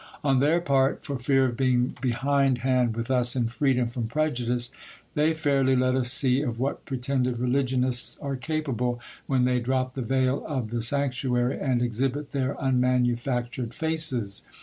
On their part, for fear of being behindhand with us in freedom from prejudice, they fairly let us see of what pretended religionists are capable, when they drop the veil of the sanc tuary, and exhibit their unmanufactured faces.